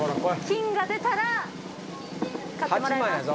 金が出たら買ってもらえます。